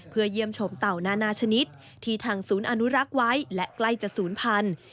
เพื่อเยี่ยมชมเต่านานาชนิดที่ทางศูนย์อนุรักษ์ไว้และใกล้จะศูนย์พันธุ์